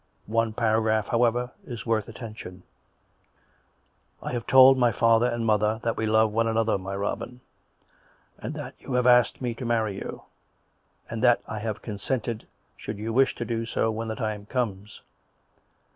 One paragraph, however, is worth attention. " I have told my father and mother, that we love one another, my Robin; and that you have asked me to marry you, and that I have consented should you wish to do so when the time comes.